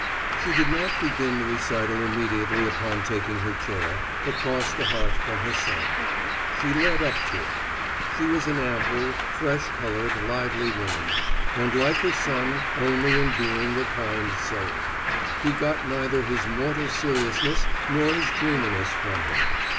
She did not begin the recital immediately upon taking her chair, across the hearth from her son; she led up to it. She was an ample, fresh coloured, lively woman; and like her son only in being a kind soul: he got neither his mortal seriousness nor his dreaminess from her.